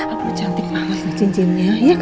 apa lo cantik banget tuh cincinnya iya gak